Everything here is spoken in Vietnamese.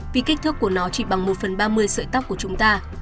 vì kích thước của nó chỉ bằng một phần ba mươi sợi tóc của chúng ta